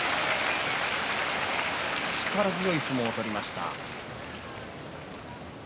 力強い相撲を取りました。